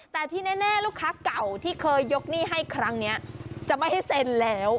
แต่ที่แน่ลูกค้าเก่าที่เคยยกหนี้ให้ครั้งนี้จะไม่ให้เซ็นแล้ว